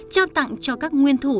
cho tặng cho các nguyên tử